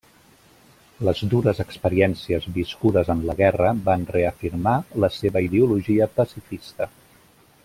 Les dures experiències viscudes en la guerra van reafirmar la seva ideologia pacifista.